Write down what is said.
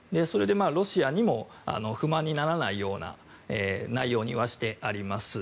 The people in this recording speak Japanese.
ロシアにも不満にならないような内容にはしてあります。